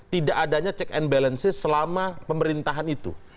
tidak adanya check and balances selama pemerintahan itu